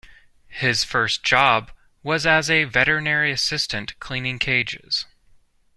His first job was as a veterinary assistant cleaning cages.